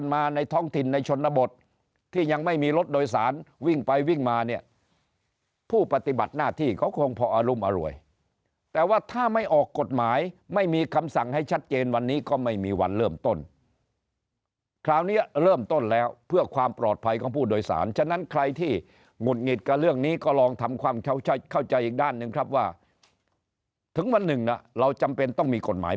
มาในท้องถิ่นในชนบทที่ยังไม่มีรถโดยสารวิ่งไปวิ่งมาเนี่ยผู้ปฏิบัติหน้าที่เขาคงพออรุมอร่วยแต่ว่าถ้าไม่ออกกฎหมายไม่มีคำสั่งให้ชัดเจนวันนี้ก็ไม่มีวันเริ่มต้นคราวนี้เริ่มต้นแล้วเพื่อความปลอดภัยของผู้โดยสารฉะนั้นใครที่หงุดหงิดกับเรื่องนี้ก็ลองทำความเข้าใจอีกด้านหนึ่งครับว่าถึงวันหนึ่งน่ะเราจำเป็นต้องมีกฎหมาย